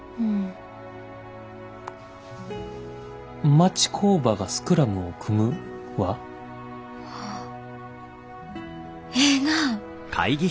「町工場がスクラムを組む」は？ああええな。